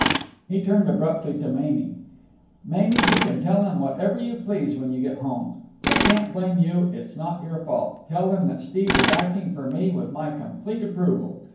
He turned abruptly to Mamie. "Mamie, you can tell them whatever you please when you get home. They can't blame you. It's not your fault. Tell them that Steve was acting for me with my complete approval.